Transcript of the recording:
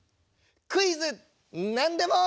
「クイズナンでも」。